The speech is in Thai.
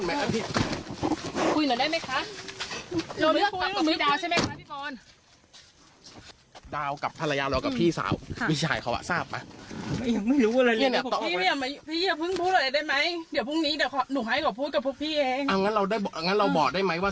ให้เราพูดกับพวกพี่เองเอางั้นเราได้บอกเอางั้นเราบอกได้ไหมว่า